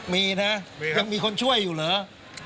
มีนะยังมีคนช่วยอยู่เหรอ